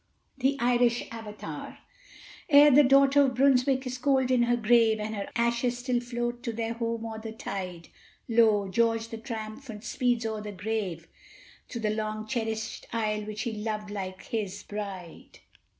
THE IRISH AVATÀR Ere the Daughter of Brunswick is cold in her grave, And her ashes still float to their home o'er the tide, Lo! George the triumphant speeds over the wave, To the long cherished Isle which he loved like his bride.